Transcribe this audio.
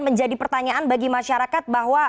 menjadi pertanyaan bagi masyarakat bahwa